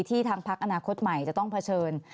ทางพักอนาคตใหม่จะต้องเผชิญ